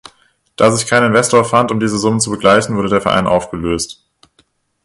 Da sich kein Investor fand, um diese Summen zu begleichen, wurde der Verein aufgelöst.